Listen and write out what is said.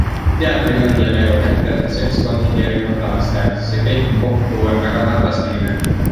Teatrihõng ja - melu, näitlejate seltskond ning erinevad lavastajad - see kõik kokku on väga fantastiline.